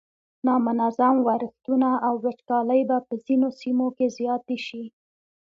نامنظم ورښتونه او وچکالۍ به په ځینو سیمو کې زیاتې شي.